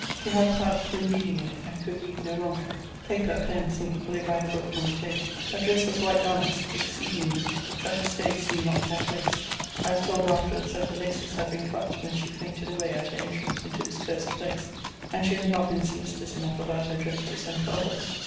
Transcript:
She had perhaps been reading in it, and could read no longer. Paper, pens, ink, lay by her book on the table. Her dress was white damask, exceeding neat; but her stays seemed not tight laced. I was told afterwards, that her laces had been cut, when she fainted away at her entrance into this cursed place; and she had not been solicitous enough about her dress to send for others.